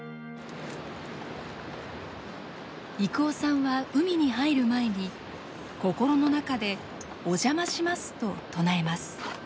征夫さんは海に入る前に心の中で「お邪魔します」と唱えます。